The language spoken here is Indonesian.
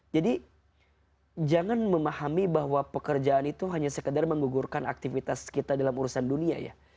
jadi jangan memahami bahwa pekerjaan itu hanya sekadar menggugurkan aktivitas kita dalam urusan dunia ya